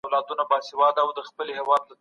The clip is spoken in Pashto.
ټولنيز ملاتړ حياتي ارزښت لري.